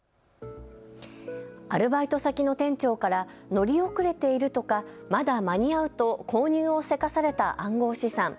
アルバイト先の店長から乗り遅れているとかまだ間に合うと購入をせかされた暗号資産。